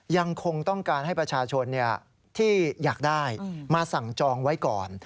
ยังคงต้องการให้ประชาชนที่อยากได้มาสั่งจองไว้ก่อน